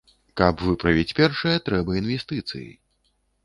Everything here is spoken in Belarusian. Каб выправіць першае, трэба інвестыцыі.